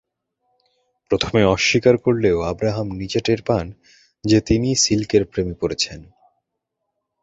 প্রথমে অস্বীকার করলেও আব্রাহাম নিজে টের পান যে তিনি সিল্কের প্রেমে পড়েছেন।